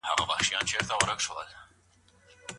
هغه څېړونکی چي ډېري ژبي زده کوي بریالی کیږي.